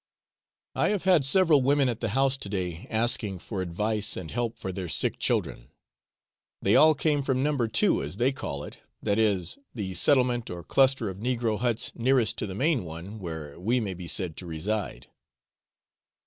I have had several women at the house to day asking for advice and help for their sick children: they all came from No. 2, as they call it, that is, the settlement or cluster of negro huts nearest to the main one, where we may be said to reside.